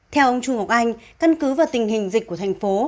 theo ông trung cọc anh căn cứ vào tình hình dịch của thành phố